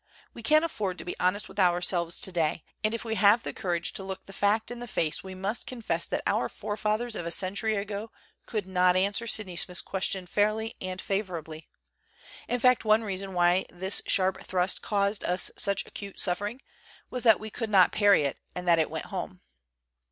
We can afford to be hon <t with ourselves today; and if we have the courage to look the fact in the face we must confess that our forefathers of a century ago could not answer Sydney Smith's question fairly ami favorably. In fact, one reason win harp thrust caused us such acute suffering was that we could not parry it and that it went home.